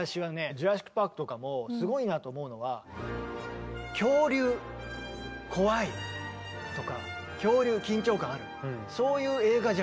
「ジュラシック・パーク」とかもすごいなと思うのは恐竜怖いとか恐竜緊張感あるそういう映画じゃん。